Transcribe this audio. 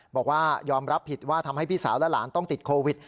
บอกว่ายอมรับผิดว่าทำให้พี่สาวและหลานต้องติดโควิด